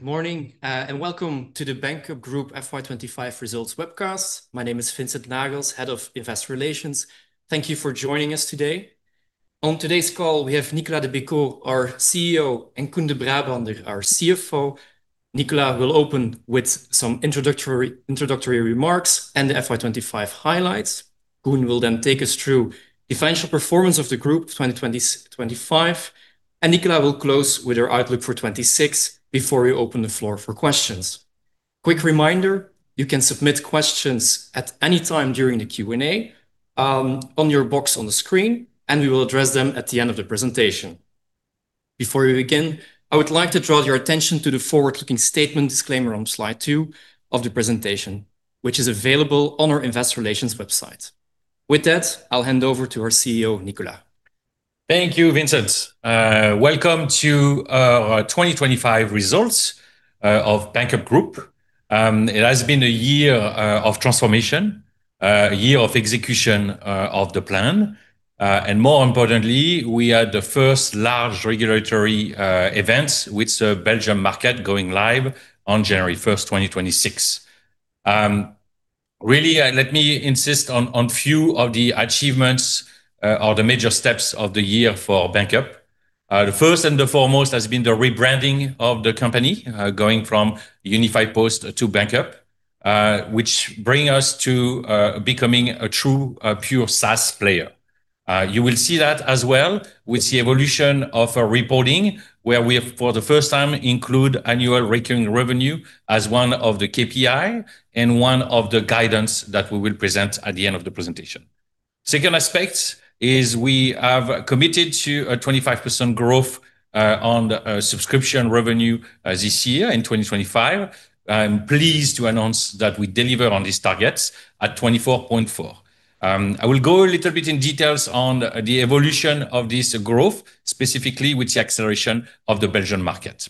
Good morning, and welcome to the Banqup Group FY 2025 results webcast. My name is Vincent Nagels, Head of Investor Relations. Thank you for joining us today. On today's call, we have Nicolas de Beco, our CEO, and Koen De Brabander, our CFO. Nicolas will open with some introductory remarks and the FY 2025 highlights. Koen will then take us through the financial performance of the Group 2025, and Nicolas will close with our outlook for 2026 before we open the floor for questions. Quick reminder, you can submit questions at any time during the Q&A on your box on the screen. We will address them at the end of the presentation. Before we begin, I would like to draw your attention to the forward-looking statement disclaimer on slide 2 of the presentation, which is available on our Investor Relations website. With that, I'll hand over to our CEO, Nicolas. Thank you, Vincent. Welcome to our 2025 results of Banqup Group. It has been a year of transformation, a year of execution of the plan. More importantly, we are the first large regulatory events with the Belgium market going live on January 1st, 2026. Really, let me insist on few of the achievements or the major steps of the year for Banqup. The first and the foremost has been the rebranding of the company, going from Unifiedpost Group to Banqup, which bring us to becoming a true pure SaaS player. You will see that as well with the evolution of our reporting, where we have, for the first time, include annual recurring revenue as one of the KPI and one of the guidance that we will present at the end of the presentation. Second aspect is we have committed to a 25% growth on the subscription revenue this year in 2025. I'm pleased to announce that we deliver on these targets at 24.4%. I will go a little bit in details on the evolution of this growth, specifically with the acceleration of the Belgian market.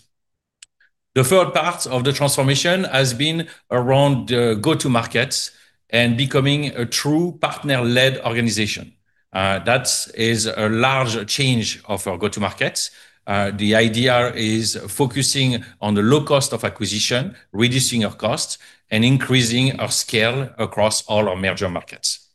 The third part of the transformation has been around the go-to-markets and becoming a true partner-led organization. That is a large change of our go-to-markets. The idea is focusing on the low cost of acquisition, reducing our costs, and increasing our scale across all our major markets.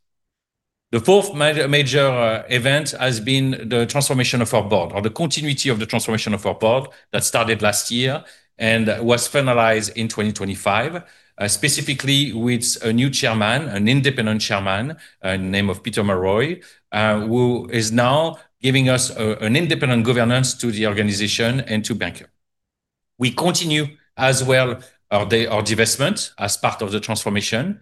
The fourth major event has been the transformation of our board, or the continuity of the transformation of our board, that started last year and was finalized in 2025, specifically with a new chairman, an independent chairman, name of Peter Mulroy, who is now giving us an independent governance to the organization and to Banqup. We continue as well our divestment as part of the transformation.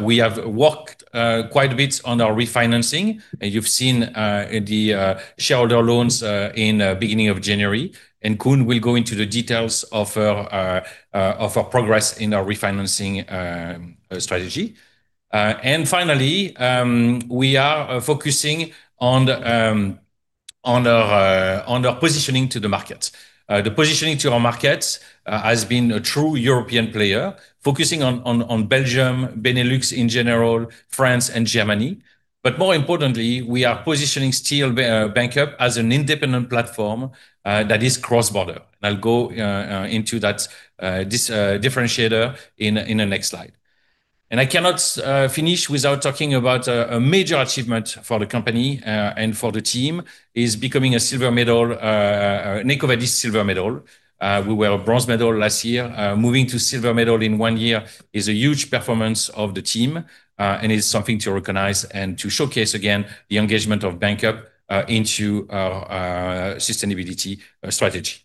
We have worked quite a bit on our refinancing. You've seen the shareholder loans in the beginning of January, and Koen will go into the details of our progress in our refinancing strategy. Finally, we are focusing on our positioning to the market. The positioning to our markets has been a true European player, focusing on Belgium, Benelux in general, France and Germany. More importantly, we are positioning still Banqup as an independent platform that is cross-border. I'll go into that differentiator in the next slide. I cannot finish without talking about a major achievement for the company and for the team, is becoming a silver medal, EcoVadis silver medal. We were a bronze medal last year. Moving to silver medal in one year is a huge performance of the team and is something to recognize and to showcase again the engagement of Banqup into our sustainability strategy.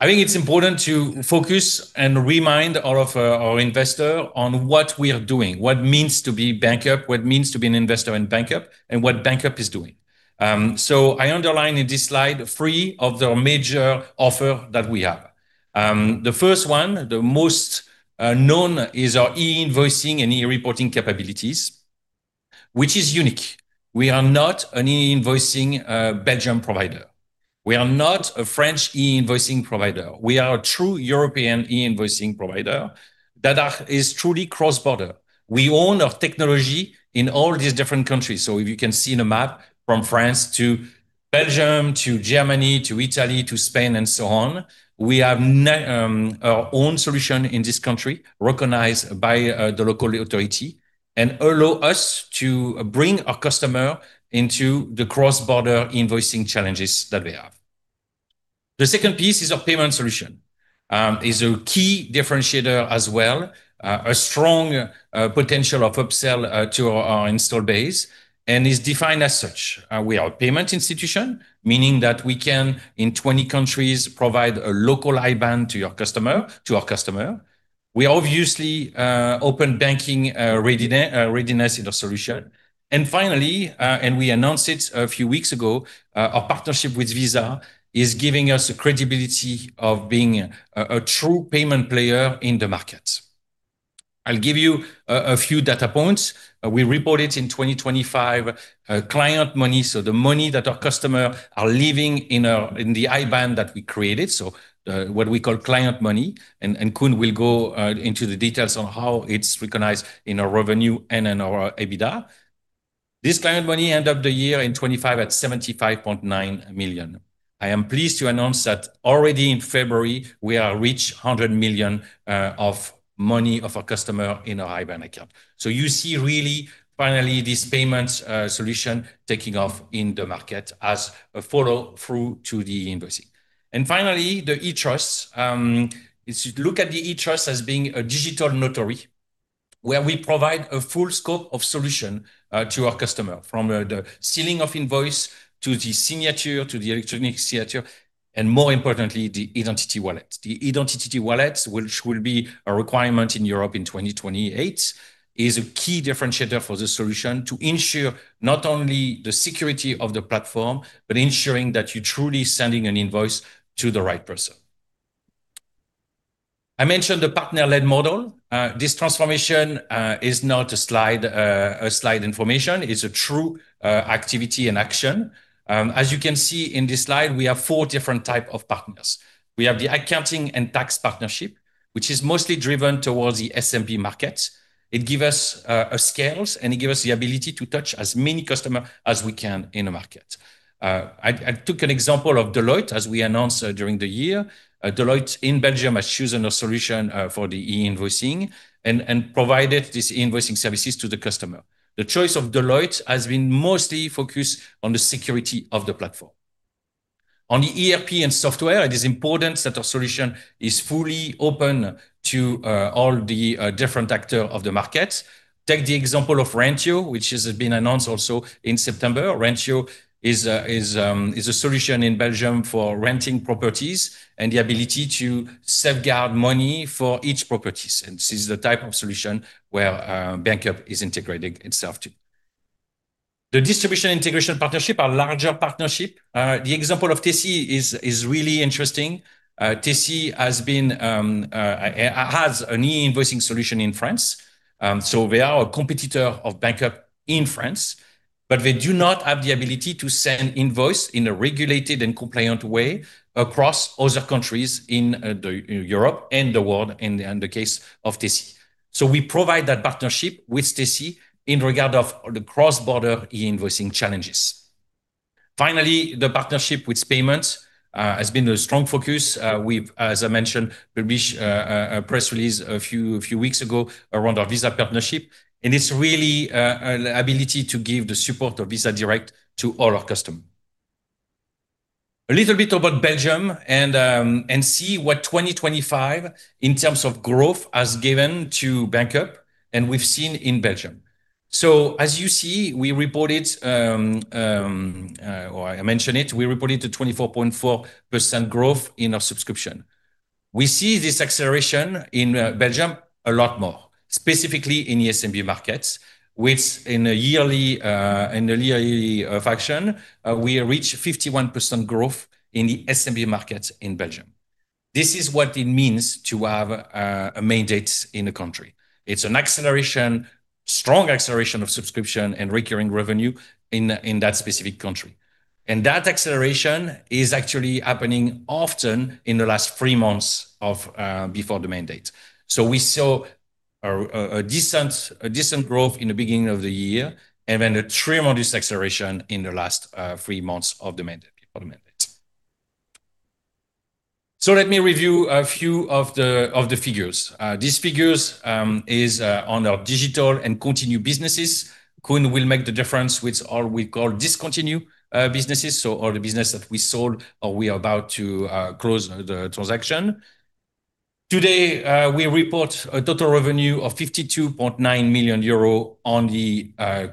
I think it's important to focus and remind all of our investor on what we are doing, what means to be Banqup, what means to be an investor in Banqup, and what Banqup is doing. I underline in this slide three of the major offer that we have. The first one, the most known, is our e-invoicing and e-reporting capabilities, which is unique. We are not an e-invoicing Belgium provider. We are not a French e-invoicing provider. We are a true European e-invoicing provider that is truly cross-border. We own our technology in all these different countries. If you can see in the map, from France to Belgium, to Germany, to Italy, to Spain, and so on, we have our own solution in this country, recognized by the local authority, and allow us to bring our customer into the cross-border invoicing challenges that we have. The second piece is our payment solution. Is a key differentiator as well, a strong potential of upsell to our install base and is defined as such. We are a payment institution, meaning that we can, in 20 countries, provide a local IBAN to your customer, to our customer. We are obviously open banking readiness in our solution. Finally, we announced it a few weeks ago, our partnership with Visa is giving us the credibility of being a true payment player in the market. I'll give you a few data points. We reported in 2025, client money, so the money that our customer are leaving in the IBAN that we created, so, what we call client money, Koen will go into the details on how it's recognized in our revenue and in our EBITDA. This client money end of the year in 25 at 75.9 million. I am pleased to announce that already in February, we are reached 100 million of money of our customer in our IBAN account. You see really finally, this payments solution taking off in the market as a follow-through to the invoicing. Finally, the E-trust. If you look at the E-trust as being a digital notary, where we provide a full scope of solution to our customer, from the sealing of invoice to the signature, to the electronic signature, and more importantly, the identity wallet. The identity wallet, which will be a requirement in Europe in 2028, is a key differentiator for the solution to ensure not only the security of the platform, but ensuring that you're truly sending an invoice to the right person. I mentioned the partner-led model. This transformation is not a slide information, it's a true activity and action. As you can see in this slide, we have four different type of partners. We have the accounting and tax partnership, which is mostly driven towards the SMB markets. It give us a scales, and it give us the ability to touch as many customer as we can in the market. I took an example of Deloitte, as we announced during the year. Deloitte in Belgium has chosen a solution for the e-invoicing and provided this invoicing services to the customer. The choice of Deloitte has been mostly focused on the security of the platform. On the ERP and software, it is important that our solution is fully open to all the different actor of the market. Take the example of Rentio, which has been announced also in September. Rentio is a solution in Belgium for renting properties and the ability to safeguard money for each properties. This is the type of solution where Banqup is integrating itself to. The distribution integration partnership, a larger partnership. The example of Tessi is really interesting. Tessi has an e-invoicing solution in France. They are a competitor of Banqup in France, but they do not have the ability to send invoice in a regulated and compliant way across other countries in Europe and the world, in the case of Tessi. We provide that partnership with Tessi in regard of the cross-border e-invoicing challenges. Finally, the partnership with payments has been a strong focus. We've, as I mentioned, released a press release few weeks ago around our Visa partnership, and it's really an ability to give the support of Visa Direct to all our customer. A little bit about Belgium and see what 2025 in terms of growth has given to Banqup, and we've seen in Belgium. As you see, we reported, or I mentioned it, we reported a 24.4% growth in our subscription. We see this acceleration in Belgium a lot more, specifically in the SMB markets, which in a yearly, in a yearly fashion, we reached 51% growth in the SMB market in Belgium. This is what it means to have a mandate in a country. It's an acceleration, strong acceleration of subscription and recurring revenue in that specific country. That acceleration is actually happening often in the last 3 months of before the mandate. We saw a decent growth in the beginning of the year and then a tremendous acceleration in the last 3 months of the mandate. Let me review a few of the figures. These figures is on our digital and continued businesses. Koen will make the difference with all we call discontinued businesses. All the business that we sold or we are about to close the transaction. Today, we report a total revenue of 52.9 million euro on the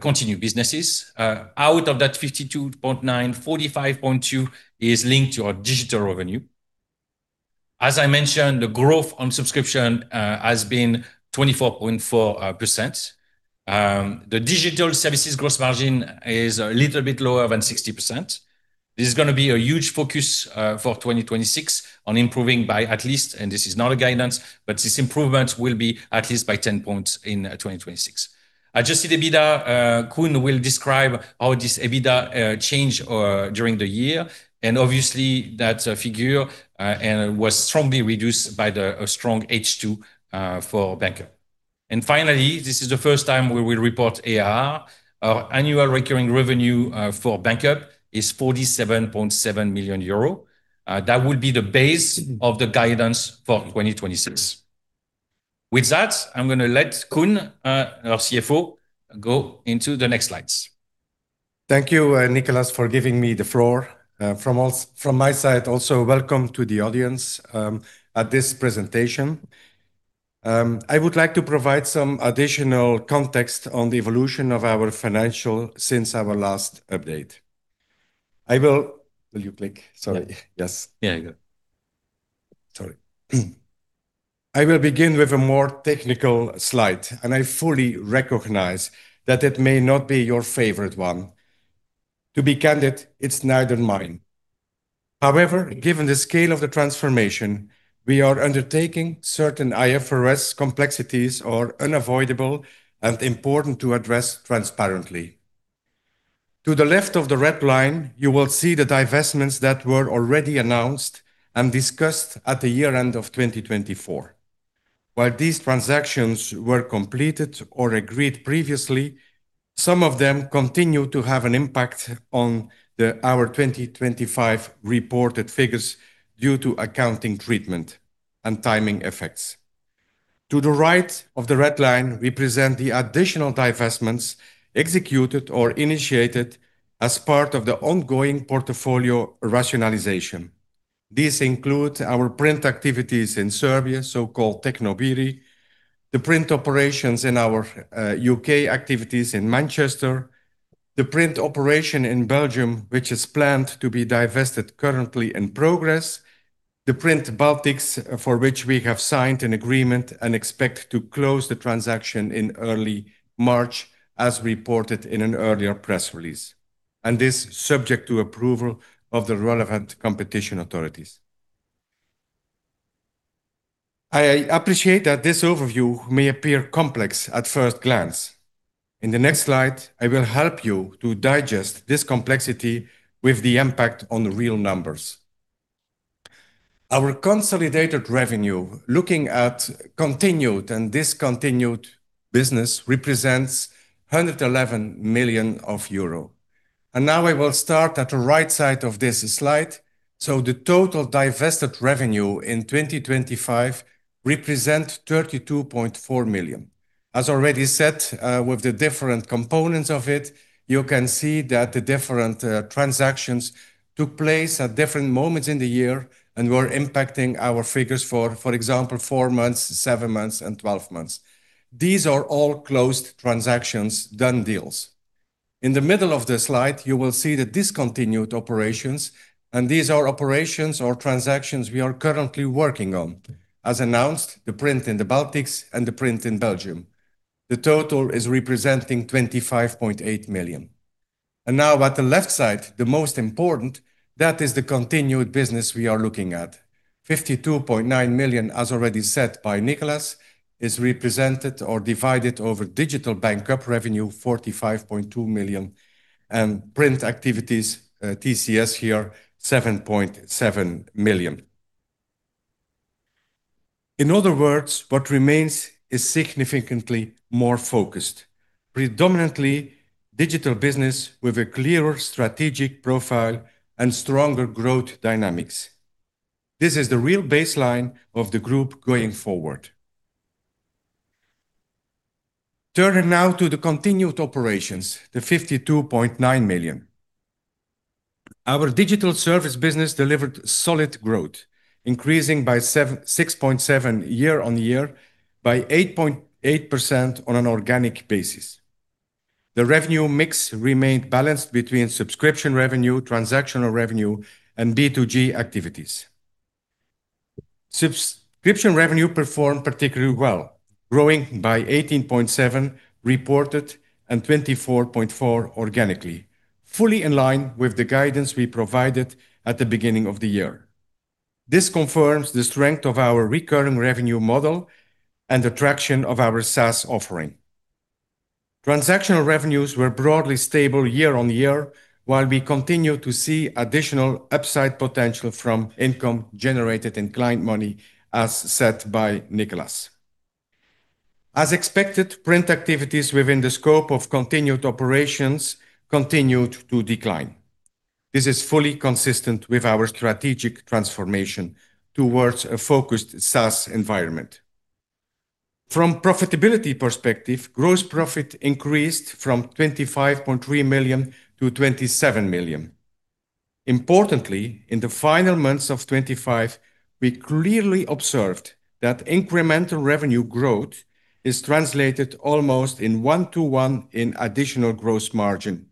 continued businesses. Out of that 52.9, 45.2 is linked to our digital revenue. As I mentioned, the growth on subscription has been 24.4%. The digital services gross margin is a little bit lower than 60%. This is gonna be a huge focus for 2026 on improving by at least, and this is not a guidance, but this improvement will be at least by 10 points in 2026. Adjusted EBITDA, Koen will describe how this EBITDA changed during the year, and obviously, that figure was strongly reduced by the strong H2 for Banqup. Finally, this is the first time we will report ARR. Our annual recurring revenue for Banqup is 47.7 million euro. That would be the base of the guidance for 2026. With that, I'm gonna let Koen, our CFO, go into the next slides. Thank you, Nicolas, for giving me the floor. From my side also, welcome to the audience at this presentation. I would like to provide some additional context on the evolution of our financial since our last update. Will you click? Sorry. Yes. Yeah, go. Sorry. I will begin with a more technical slide, and I fully recognize that it may not be your favorite one. To be candid, it's neither mine. Given the scale of the transformation we are undertaking, certain IFRS complexities are unavoidable and important to address transparently. To the left of the red line, you will see the divestments that were already announced and discussed at the year end of 2024. These transactions were completed or agreed previously, some of them continue to have an impact on our 2025 reported figures due to accounting treatment and timing effects. To the right of the red line, we present the additional divestments executed or initiated as part of the ongoing portfolio rationalization. These include our print activities in Serbia, so-called Tehnobiro, the print operations in our U.K. activities in Manchester, the print operation in Belgium, which is planned to be divested currently in progress, the Baltic activities, for which we have signed an agreement and expect to close the transaction in early March, as reported in an earlier press release, and is subject to approval of the relevant competition authorities. I appreciate that this overview may appear complex at first glance. In the next slide, I will help you to digest this complexity with the impact on the real numbers. Our consolidated revenue, looking at continued and discontinued business, represents 111 million euro. Now I will start at the right side of this slide. The total divested revenue in 2025 represent 32.4 million. As already said, with the different components of it, you can see that the different transactions took place at different moments in the year and were impacting our figures for example, four months, seven months, and 12 months. These are all closed transactions, done deals. In the middle of the slide, you will see the discontinued operations. These are operations or transactions we are currently working on. As announced, the print in the Baltics and the print in Belgium. The total is representing 25.8 million. Now at the left side, the most important, that is the continued business we are looking at. 52.9 million, as already said by Nicolas, is represented or divided over Digital Banqup revenue, 45.2 million, and Print activities, TCS here, 7.7 million. In other words, what remains is significantly more focused, predominantly digital business with a clearer strategic profile and stronger growth dynamics. This is the real baseline of the group going forward. Turning now to the continued operations, the 52.9 million. Our digital service business delivered solid growth, increasing by 6.7% year-on-year, by 8.8% on an organic basis. The revenue mix remained balanced between subscription revenue, transactional revenue, and B2G activities. Subscription revenue performed particularly well, growing by 18.7% reported and 24.4% organically, fully in line with the guidance we provided at the beginning of the year. This confirms the strength of our recurring revenue model and the traction of our SaaS offering. Transactional revenues were broadly stable year-on-year, while we continue to see additional upside potential from income generated in client money, as said by Nicolas. As expected, print activities within the scope of continued operations continued to decline. This is fully consistent with our strategic transformation towards a focused SaaS environment. From profitability perspective, gross profit increased from 25.3 million to 27 million. Importantly, in the final months of 2025, we clearly observed that incremental revenue growth is translated almost in 1-to-1 in additional gross margin.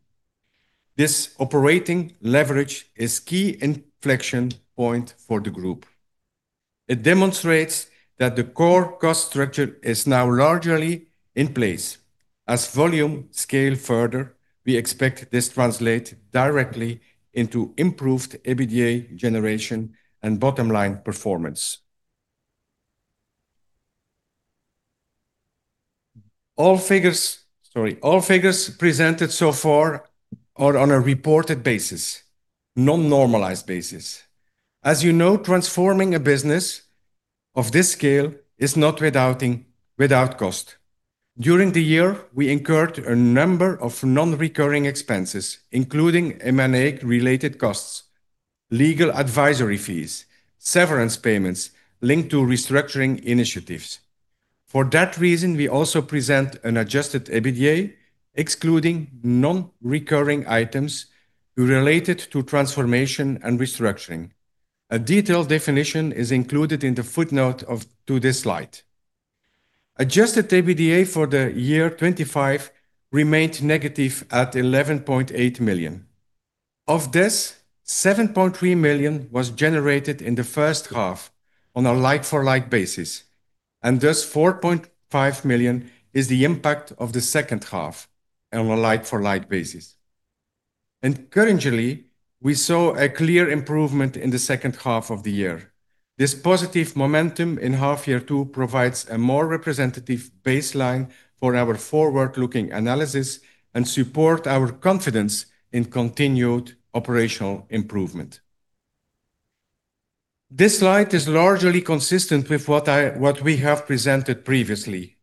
This operating leverage is key inflection point for the group. It demonstrates that the core cost structure is now largely in place. As volume scale further, we expect this translate directly into improved EBITDA generation and bottom line performance. All figures, sorry, all figures presented so far are on a reported basis, non-normalized basis. As you know, transforming a business of this scale is not without cost. During the year, we incurred a number of non-recurring expenses, including M&A-related costs, legal advisory fees, severance payments linked to restructuring initiatives. For that reason, we also present an adjusted EBITDA, excluding non-recurring items related to transformation and restructuring. A detailed definition is included in the footnote to this slide. Adjusted EBITDA for the year 2025 remained negative at 11.8 million. Of this, 7.3 million was generated in the first half on a like for like basis, and thus 4.5 million is the impact of the second half on a like for like basis. Encouragingly, we saw a clear improvement in the second half of the year. This positive momentum in half year 2 provides a more representative baseline for our forward-looking analysis and support our confidence in continued operational improvement. This slide is largely consistent with what we have presented previously.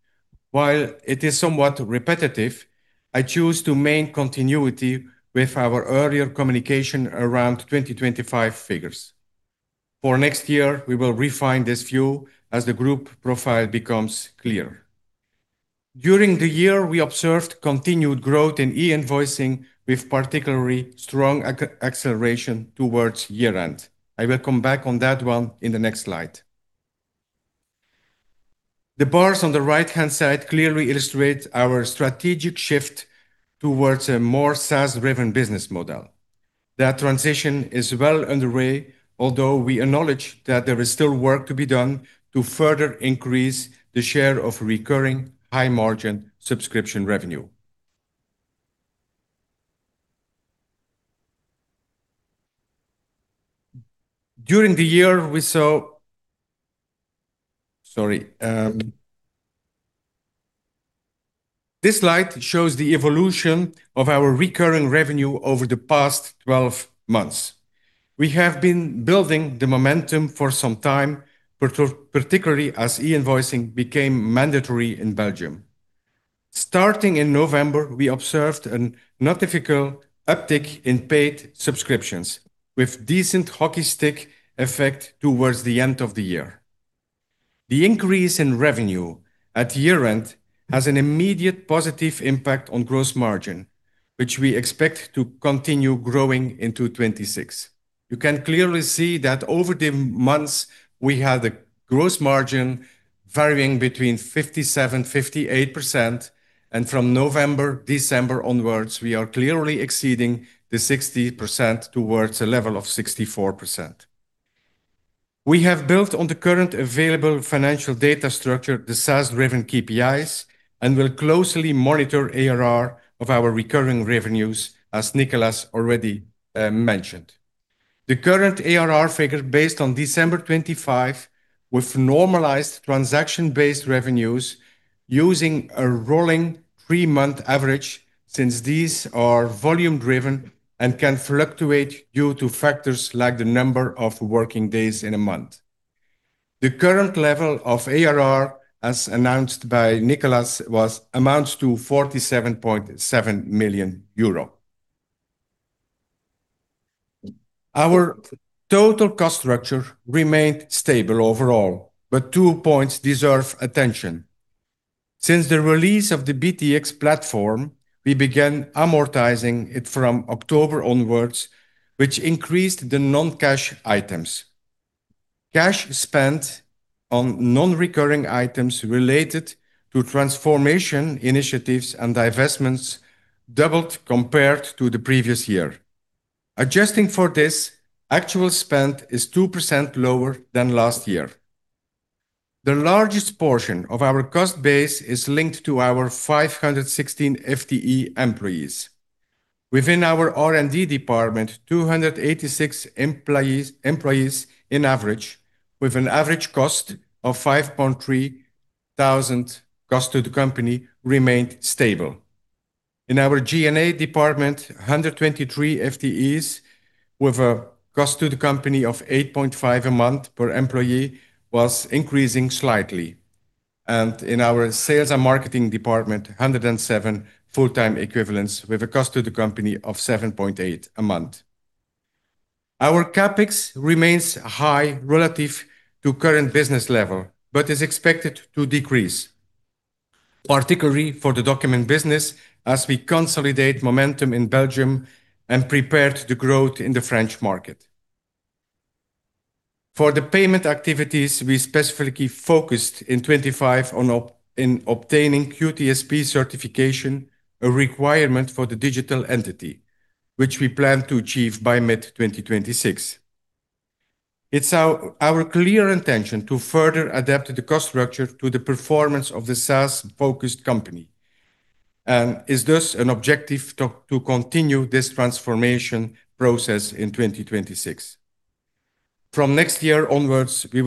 While it is somewhat repetitive, I choose to main continuity with our earlier communication around 2025 figures. For next year, we will refine this view as the group profile becomes clear. During the year, we observed continued growth in e-invoicing with particularly strong acceleration towards year-end. I will come back on that one in the next slide. The bars on the right-hand side clearly illustrate our strategic shift towards a more SaaS-driven business model. That transition is well underway, although we acknowledge that there is still work to be done to further increase the share of recurring high-margin subscription revenue. During the year, Sorry, this slide shows the evolution of our recurring revenue over the past 12 months. We have been building the momentum for some time, particularly as e-invoicing became mandatory in Belgium. Starting in November, we observed a noticeable uptick in paid subscriptions, with decent hockey stick effect towards the end of the year. The increase in revenue at year-end has an immediate positive impact on gross margin, which we expect to continue growing into 2026. You can clearly see that over the months, we had a gross margin varying between 57%-58%, and from November, December onwards, we are clearly exceeding the 60% towards a level of 64%. We have built on the current available financial data structure, the SaaS-driven KPIs, and will closely monitor ARR of our recurring revenues, as Nicolas already mentioned. The current ARR figure based on December 25, with normalized transaction-based revenues using a rolling three-month average, since these are volume driven and can fluctuate due to factors like the number of working days in a month. The current level of ARR, as announced by Nicolas, was amounts to 47.7 million euro. Our total cost structure remained stable overall, but 2 points deserve attention. Since the release of the BTX platform, we began amortizing it from October onwards, which increased the non-cash items. Cash spent on non-recurring items related to transformation initiatives and divestments doubled compared to the previous year. Adjusting for this, actual spend is 2% lower than last year. The largest portion of our cost base is linked to our 516 FTE employees. Within our R&D department, 286 employees in average, with an average cost of 5.3 thousand cost to the company, remained stable. In our G&A department, 123 FTEs, with a cost to the company of 8.5 a month per employee, was increasing slightly. In our sales and marketing department, 107 full-time equivalents, with a cost to the company of 7.8 a month. Our CapEx remains high relative to current business level, but is expected to decrease, particularly for the document business, as we consolidate momentum in Belgium and prepare the growth in the French market. For the payment activities, we specifically focused in 2025 on obtaining QTSP certification, a requirement for the digital entity, which we plan to achieve by mid 2026. It's our clear intention to further adapt the cost structure to the performance of the SaaS-focused company, and is thus an objective to continue this transformation process in 2026. From next year onwards, we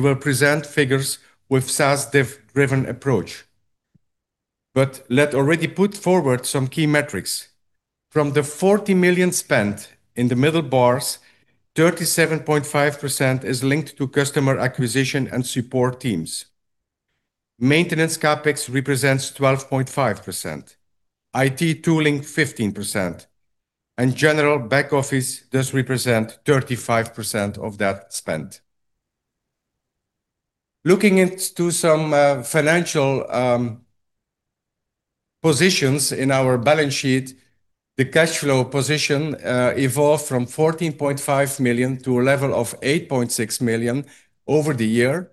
will present figures with SaaS-driven approach. Let already put forward some key metrics. From the 40 million spent in the middle bars, 37.5% is linked to customer acquisition and support teams. Maintenance CapEx represents 12.5%, IT tooling, 15%, and general back office does represent 35% of that spend. Looking into some financial positions in our balance sheet, the cash flow position evolved from 14.5 million to a level of 8.6 million over the year.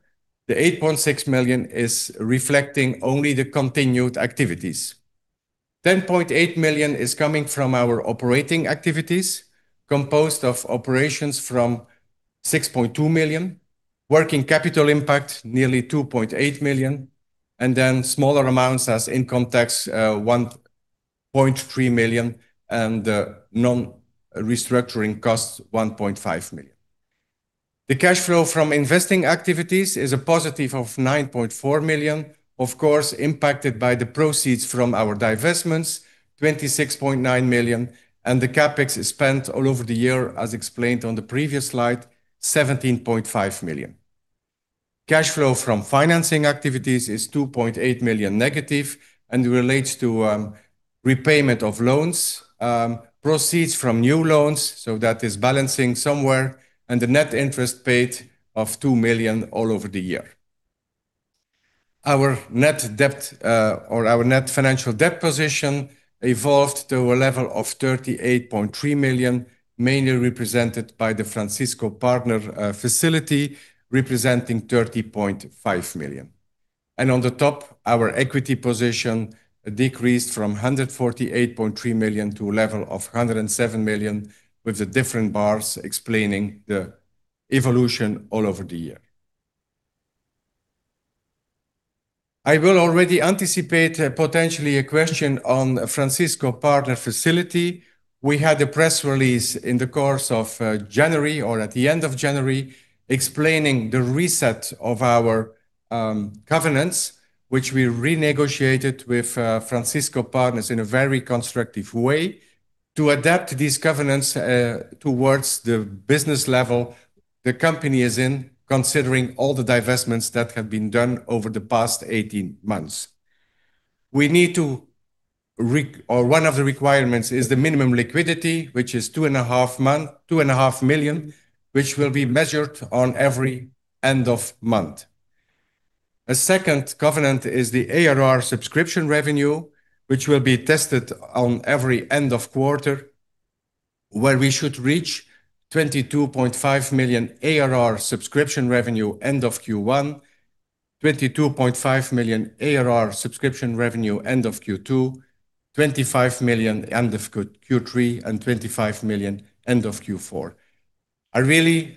The 8.6 million is reflecting only the continued activities. 10.8 million is coming from our operating activities, composed of operations from 6.2 million, working capital impact, nearly 2.8 million, smaller amounts as income tax, 1.3 million, non-restructuring costs, 1.5 million. The cash flow from investing activities is a positive of 9.4 million. Of course, impacted by the proceeds from our divestments, 26.9 million, the CapEx is spent all over the year, as explained on the previous slide, 17.5 million. Cash flow from financing activities is 2.8 million negative and relates to repayment of loans, proceeds from new loans, that is balancing somewhere, and the net interest paid of 2 million all over the year. Our net debt, or our net financial debt position evolved to a level of 38.3 million, mainly represented by the Francisco Partners facility, representing 30.5 million. On the top, our equity position decreased from 148.3 million to a level of 107 million, with the different bars explaining the evolution all over the year. I will already anticipate potentially a question on Francisco Partners facility. We had a press release in the course of January or at the end of January, explaining the reset of our governance, which we renegotiated with Francisco Partners in a very constructive way to adapt this governance towards the business level the company is in, considering all the divestments that have been done over the past 18 months. One of the requirements is the minimum liquidity, which is 2.5 million, which will be measured on every end of month. A second covenant is the ARR subscription revenue, which will be tested on every end of quarter, where we should reach 22.5 million ARR subscription revenue end of Q1, 22.5 million ARR subscription revenue end of Q2, 25 million end of Q3, and 25 million end of Q4. I really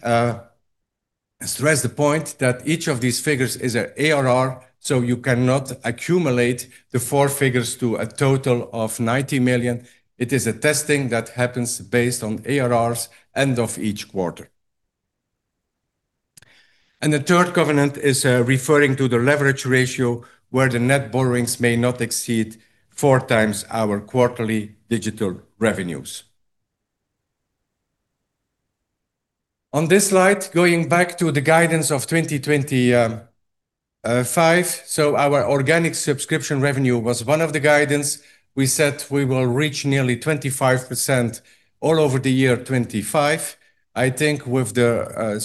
stress the point that each of these figures is a ARR, so you cannot accumulate the four figures to a total of 90 million. It is a testing that happens based on ARRs end of each quarter. The third covenant is referring to the leverage ratio, where the net borrowings may not exceed four times our quarterly digital revenues. On this slide, going back to the guidance of 2025. Our organic subscription revenue was one of the guidance. We said we will reach nearly 25% all over the year 2025. I think with the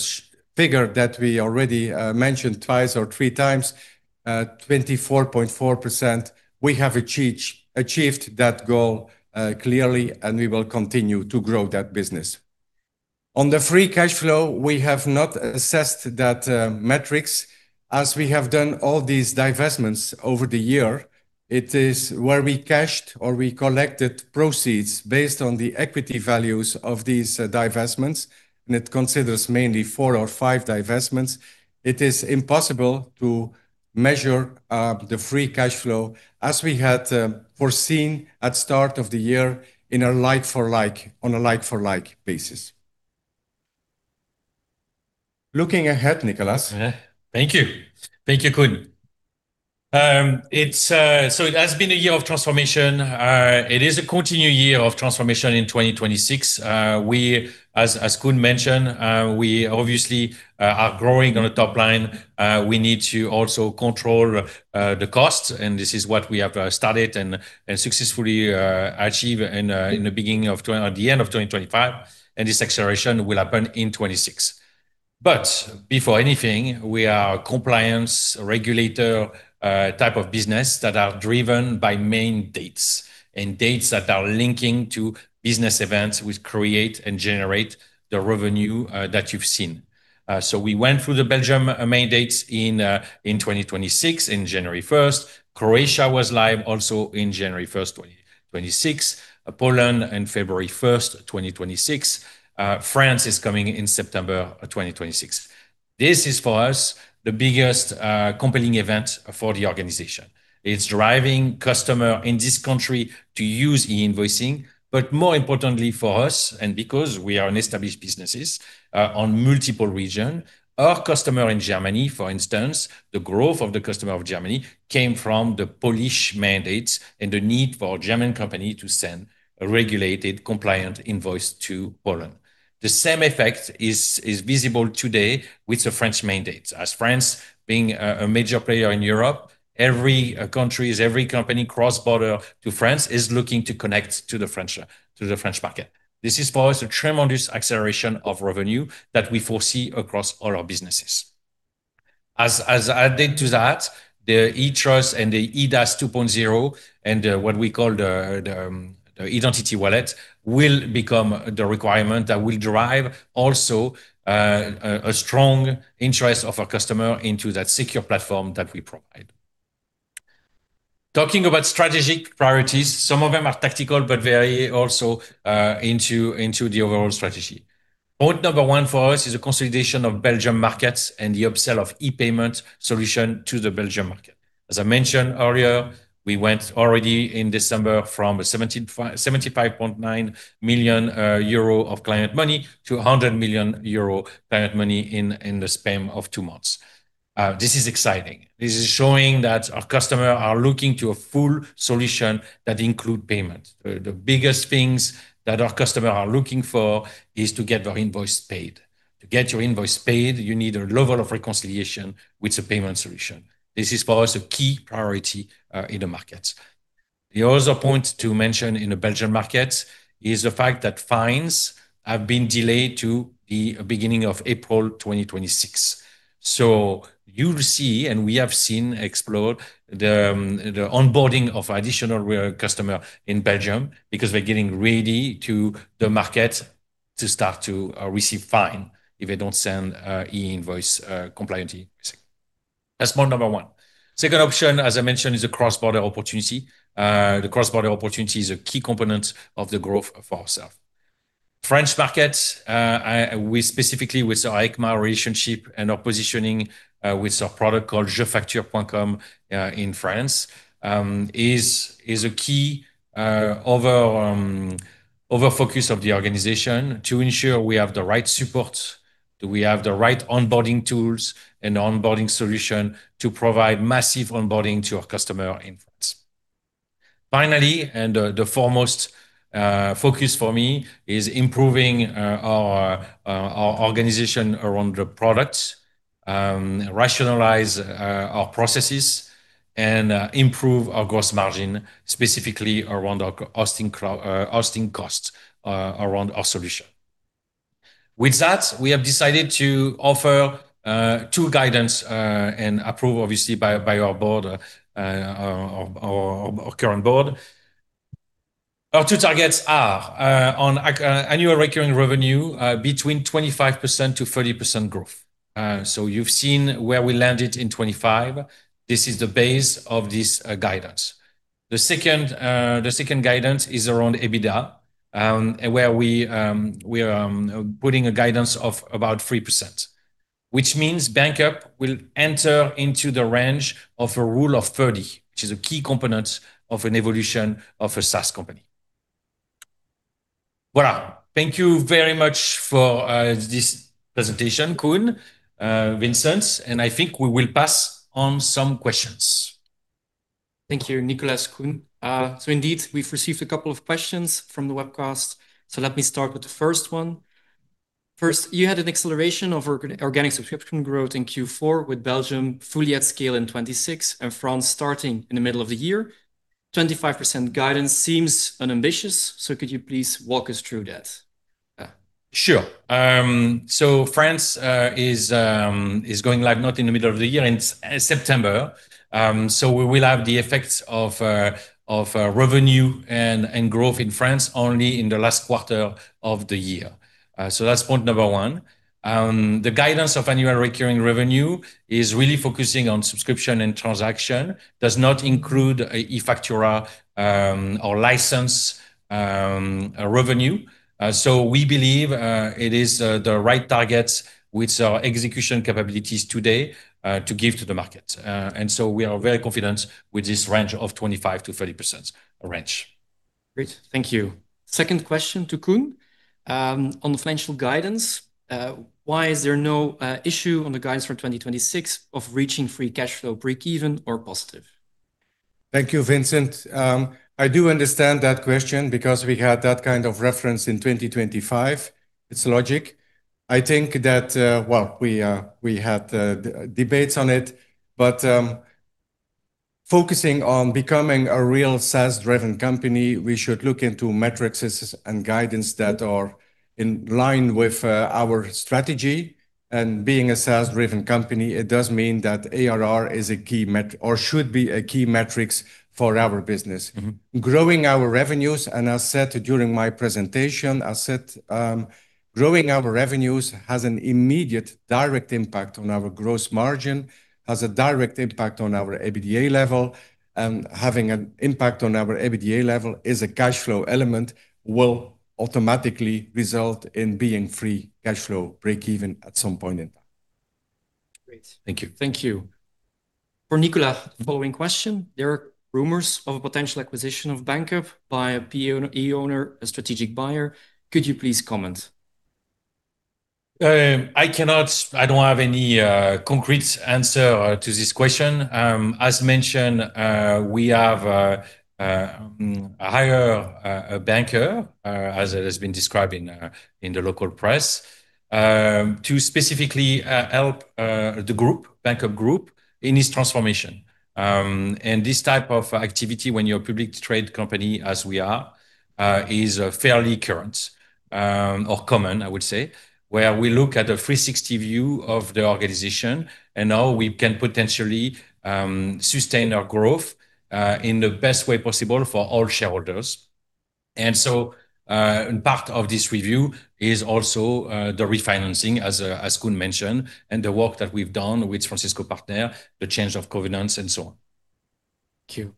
figure that we already mentioned twice or three times, 24.4%, we have achieved that goal clearly, and we will continue to grow that business. On the free cash flow, we have not assessed that metrics. As we have done all these divestments over the year, it is where we cashed or we collected proceeds based on the equity values of these divestments, and it considers mainly 4 or 5 divestments. It is impossible to measure the free cash flow as we had foreseen at start of the year on a like for like basis. Looking ahead, Nicolas. Yeah. Thank you. Thank you, Koen. It has been a year of transformation. It is a continued year of transformation in 2026. We as Koen mentioned, we obviously are growing on the top line. We need to also control the costs, and this is what we have started and successfully achieved at the end of 2025, and this acceleration will happen in 2026. Before anything, we are a compliance regulator type of business that are driven by main dates, and dates that are linking to business events, which create and generate the revenue that you've seen. We went through the Belgium mandate in 2026. In January first, Croatia was live also in January first, 2026. Poland in February 1, 2026. France is coming in September of 2026. This is, for us, the biggest compelling event for the organization. It's driving customers in this country to use e-invoicing. More importantly for us, and because we are an established business, on multiple regions, our customers in Germany, for instance, the growth of the customers of Germany came from the Polish mandates and the need for German companies to send a regulated, compliant invoice to Poland. The same effect is visible today with the French mandate. France being a major player in Europe, every country, every company cross-border to France is looking to connect to the French market. This is for us, a tremendous acceleration of revenue that we foresee across all our businesses. As added to that, the E-trust and the eIDAS 2.0 and what we call the identity wallet, will become the requirement that will drive also a strong interest of our customer into that secure platform that we provide. Talking about strategic priorities, some of them are tactical, but they are also into the overall strategy. Point number one for us is a consolidation of Belgium markets and the upsell of e-payment solution to the Belgium market. As I mentioned earlier, we went already in December from 75.9 million euro of client money to 100 million euro client money in the span of two months. This is exciting. This is showing that our customer are looking to a full solution that include payment. The biggest things that our customer are looking for is to get their invoice paid. To get your invoice paid, you need a level of reconciliation with the payment solution. This is for us, a key priority in the market. The other point to mention in the Belgian market is the fact that fines have been delayed to the beginning of April 2026. You will see, and we have seen explode the onboarding of additional customer in Belgium because we're getting ready to the market to start to receive fine if they don't send e-invoice compliantly. That's point number one. Second option, as I mentioned, is a cross-border opportunity. The cross-border opportunity is a key component of the growth of ourselves. French market, we specifically with our ECMA relationship and our positioning with a product called jefacture.com in France, is a key over focus of the organization to ensure we have the right support, do we have the right onboarding tools and onboarding solution to provide massive onboarding to our customer in France. Finally, the foremost focus for me is improving our organization around the product, rationalize our processes, and improve our gross margin, specifically around our hosting costs around our solution. With that, we have decided to offer two guidance and approve, obviously, by our board, our current board. Our two targets are on a annual recurring revenue between 25%-30% growth. You've seen where we landed in 25. This is the base of this guidance. The second, the second guidance is around EBITDA, where we are putting a guidance of about 3%, which means Banqup will enter into the range of a Rule of 30, which is a key component of an evolution of a SaaS company. Well, thank you very much for this presentation, Koen, Vincent, and I think we will pass on some questions. Thank you, Nicolas, Koen. Indeed, we've received a couple of questions from the webcast. Let me start with the first one. First, you had an acceleration of organic subscription growth in Q4 with Belgium fully at scale in 26, and France starting in the middle of the year. 25% guidance seems unambitious, so could you please walk us through that? Sure. France is going live not in the middle of the year, in September. We will have the effects of revenue and growth in France only in the last quarter of the year. That's point number one. The guidance of annual recurring revenue is really focusing on subscription and transaction, does not include eFaktura or license revenue. We believe it is the right target with our execution capabilities today to give to the market. We are very confident with this range of 25%-30% range. Great. Thank you. Second question to Koen. On the financial guidance, why is there no issue on the guidance for 2026 of reaching free cash flow breakeven or positive? Thank you, Vincent. I do understand that question because we had that kind of reference in 2025. It's logic. I think that, well, we had debates on it, but focusing on becoming a real SaaS-driven company, we should look into metrics and guidance that are in line with our strategy. Being a SaaS-driven company, it does mean that ARR is a key or should be a key metrics for our business. Mm-hmm. Growing our revenues, and as said during my presentation, I said, growing our revenues has an immediate direct impact on our gross margin, has a direct impact on our EBITDA level. Having an impact on our EBITDA level is a cash flow element will automatically result in being free cash flow breakeven at some point in time. Great. Thank you. Thank you. For Nicolas, the following question: There are rumors of a potential acquisition of Banqup by a PE owner, a strategic buyer. Could you please comment? I don't have any concrete answer to this question. As mentioned, we have a higher banker as it has been described in the local press to specifically help the group, Banqup Group, in its transformation. This type of activity, when you're a public trade company, as we are, is fairly current or common, I would say, where we look at a 360 view of the organization and how we can potentially sustain our growth in the best way possible for all shareholders. Part of this review is also the refinancing, as Koen mentioned, and the work that we've done with Francisco Partners, the change of governance and so on. Thank you.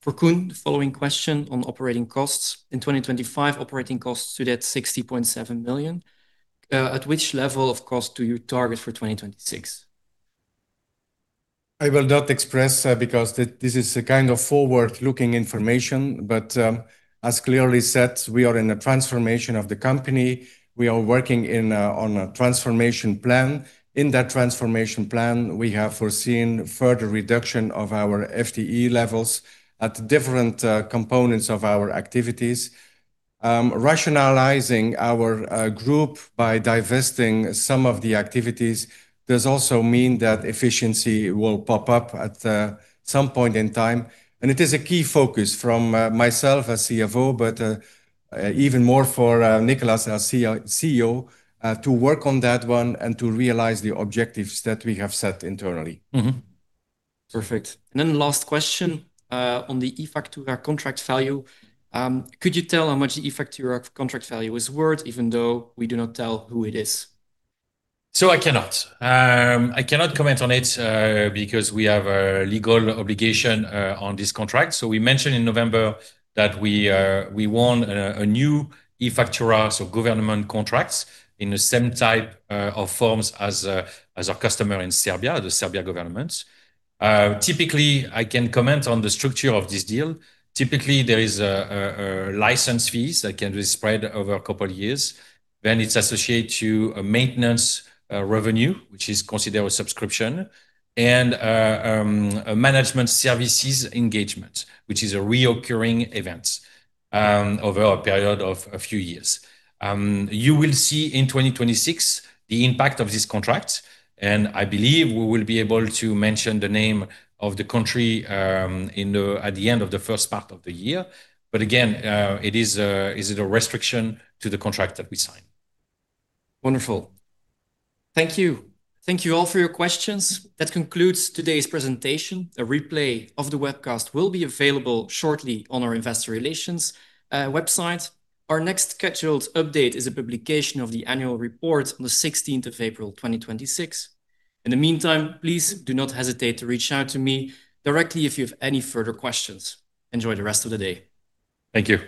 For Koen, following question on operating costs. In 2025, operating costs stood at 60.7 million. At which level of cost do you target for 2026? I will not express, because this is a kind of forward-looking information. As clearly said, we are in a transformation of the company. We are working on a transformation plan. In that transformation plan, we have foreseen further reduction of our FTE levels at different components of our activities. Rationalizing our group by divesting some of the activities does also mean that efficiency will pop up at some point in time, and it is a key focus from myself as CFO, but even more for Nicolas, our CEO, to work on that one and to realize the objectives that we have set internally. Perfect. Last question, on the eFaktura contract value Could you tell how much eFaktura contract value is worth, even though we do not tell who it is? I cannot. I cannot comment on it because we have a legal obligation on this contract. We mentioned in November that we won a new eFaktura, so government contracts in the same type of forms as our customer in Serbia, the Serbia government. Typically, I can comment on the structure of this deal. Typically, there is a license fees that can be spread over a couple of years. It's associated to a maintenance revenue, which is considered a subscription, and a management services engagement, which is a reoccurring events over a period of a few years. You will see in 2026 the impact of this contract. I believe we will be able to mention the name of the country at the end of the first part of the year. Again, it is a restriction to the contract that we signed. Wonderful. Thank you. Thank you all for your questions. That concludes today's presentation. A replay of the webcast will be available shortly on our investor relations website. Our next scheduled update is a publication of the annual report on the 16th of April, 2026. In the meantime, please do not hesitate to reach out to me directly if you have any further questions. Enjoy the rest of the day. Thank you.